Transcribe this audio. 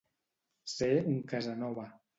Ser un Casanova.